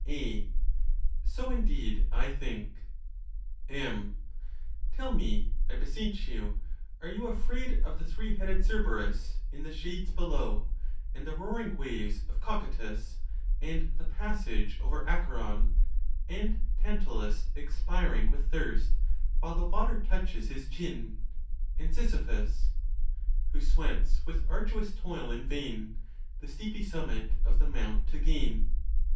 A. So, indeed, I think. M. Tell me,I beseech you, are you afraid of the three headed Cerberus in the shades below, and the roaring waves of Cocytus, and the passage over Acheron, and Tantalus expiring with thirst, while the water touches his chin; and Sisyphus, Who sweats with arduous toil in vain | The steepy summit of the mount to gain?